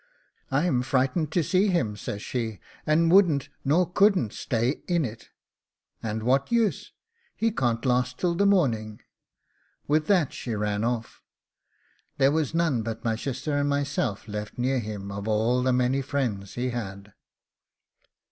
'I'm frightened to see him,' says she, 'and wouldn't nor couldn't stay in it; and what use? He can't last till the morning.' With that she ran off. There was none but my shister and myself left near him of all the many friends he had.